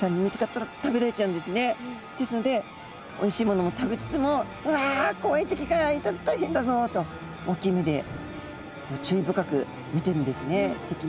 ですのでおいしいものも食べつつも「うわ怖い敵がいたら大変だぞ！」と大きい目で注意深く見てるんですね敵も。